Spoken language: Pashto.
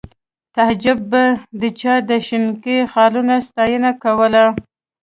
تعجب به د چا د شینکي خالونو ستاینه کوله